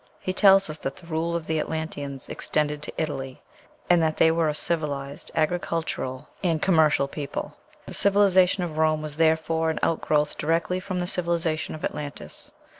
He tells us that the rule of the Atlanteans extended to Italy; that they were a civilized, agricultural, and commercial people. The civilization of Rome was therefore an outgrowth directly from the civilization of Atlantis.